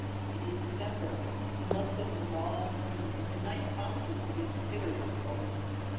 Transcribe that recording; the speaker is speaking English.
It is December, the month of the long moon, and the night promises to be bitterly cold.